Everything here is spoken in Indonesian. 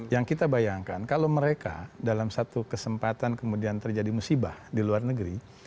yang kita bayangkan kalau mereka dalam satu kesempatan kemudian terjadi musibah di luar negeri